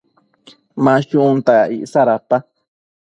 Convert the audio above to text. Ma shunta icsa dapa?